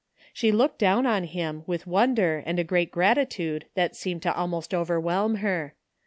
She looked down on him with wonder and a great gratitude that seemed to almost overwhelm her.